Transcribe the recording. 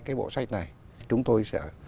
cái bộ sách này chúng tôi sẽ